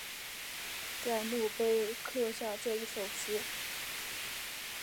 在墓碑刻下这一首诗